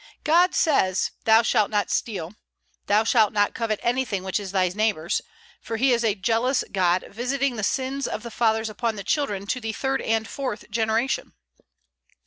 God says, "Thou shalt not steal; Thou shalt not covet anything which is thy neighbor's, ... for he is a jealous God, visiting the sins of the fathers upon the children, to the third and fourth generation."